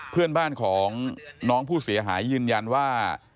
เพื่อนบ้านของน้องผู้เสียหายยืนยันว่า